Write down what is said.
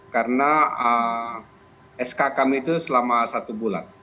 karena sk kami itu selama satu bulan